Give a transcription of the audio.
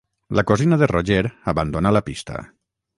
La cosina de Roger abandonà la pista.